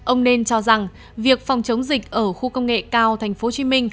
ông nên cho rằng việc phòng chống dịch ở khu công nghệ cao tp hcm